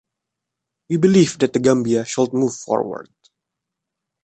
We believe that the Gambia should move forward.